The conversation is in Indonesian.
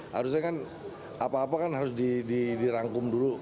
harusnya kan apa apa kan harus dirangkum dulu